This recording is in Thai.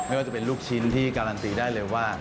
ไม่ว่าจะเป็นลูกชิ้นที่การันตีได้เลยว่า